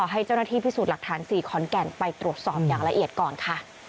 ให้เจ้าหน้าที่พิสูจน์หลักฐาน๔ขอนแก่นไปตรวจสอบอย่างละเอียดก่อนค่ะ